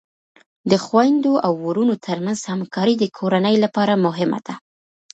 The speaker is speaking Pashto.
د خویندو او ورونو ترمنځ همکاری د کورنۍ لپاره مهمه ده.